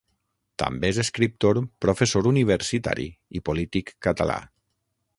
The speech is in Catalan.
També és escriptor, professor universitari i polític català.